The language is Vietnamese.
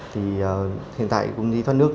thì hiện tại công ty thoát nước